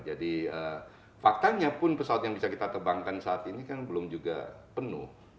jadi faktanya pun pesawat yang bisa kita terbangkan saat ini kan belum juga penuh